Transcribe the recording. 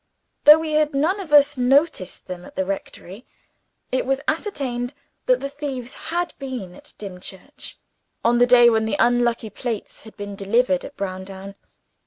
Though we had none of us noticed them at the rectory, it was ascertained that the thieves had been at Dimchurch on the day when the unlucky plates were first delivered at Browndown.